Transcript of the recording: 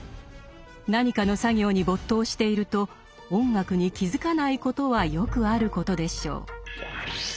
何かの作業に没頭していると音楽に気付かないことはよくあることでしょう。